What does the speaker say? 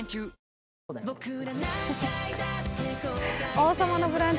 「王様のブランチ」